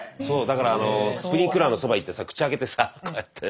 だからスプリンクラーのそば行ってさ口開けてさこうやって。